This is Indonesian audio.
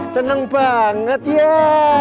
seneng banget ya